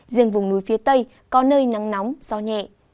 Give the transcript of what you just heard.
riêng vùng núi phía tây có nơi nắng nóng gió nhẹ